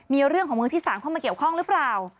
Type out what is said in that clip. มีเรื่องของมือที่๓เข้ามาเกี่ยวข้องหรือเปล่า